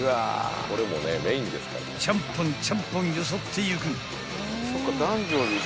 ［ちゃんぽんちゃんぽんよそっていく］